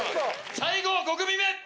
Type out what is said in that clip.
最後５組目！